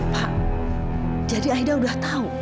pak jadi aida udah tahu